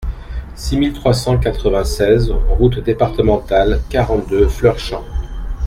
six mille trois cent quatre-vingt-seize route Départementale quarante-deux Fleurchamp